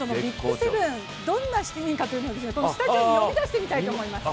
ＢＩＧ７どんな７人なのかをこのスタジオに呼び出してみたいと思います。